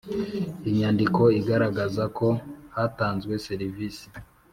Inyandiko igaragaza ko hatanzwe serivisi